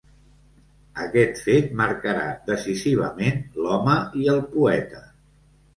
Aquest fet marcarà decisivament l'home i el poeta.